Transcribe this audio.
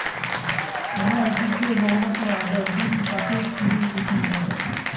আমরা এক দিক দিয়ে ভগবানকে মারব, একদিন তাতেই তিনি প্রসন্ন হবেন।